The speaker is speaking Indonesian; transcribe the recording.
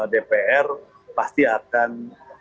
dpr pasti akan